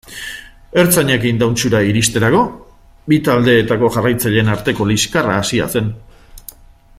Ertzainak Indautxura iristerako, bi taldeetako jarraitzaileen arteko liskarra hasia zen.